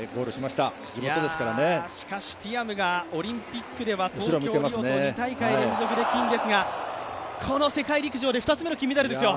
しかし、ティアムがオリンピックでは２大会連続で銀ですが、この世界陸上で２つ目の金メダルですよ。